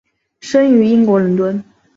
生于英国伦敦。